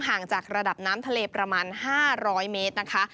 ห่างจากระดับน้ำทะเลประมาณ๕๐๐เมตรนะคะ